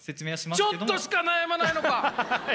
ちょっとしか悩まないのか！